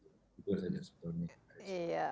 itu saja sebetulnya